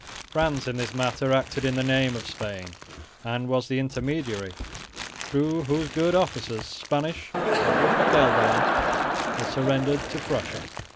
France in this matter acted in the name of Spain, and was the intermediary through whose good offices Spanish or Upper Gelderland was surrendered to Prussia.